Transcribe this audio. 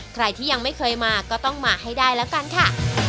ใครที่ยังไม่เคยมาก็ต้องมาให้ได้แล้วกันค่ะ